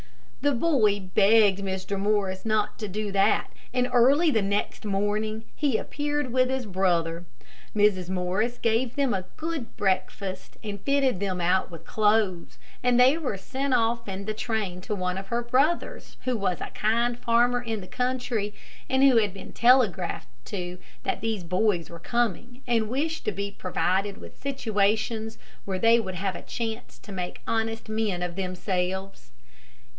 The boy begged Mr. Morris not to do that, and early the next morning he appeared with his brother. Mrs. Morris gave them a good breakfast and fitted them out with clothes, and they were sent off in the train to one of her brothers, who was a kind farmer in the country, and who had been telegraphed to that these boys were coming, and wished to be provided with situations where they would have a chance to make honest men of themselves.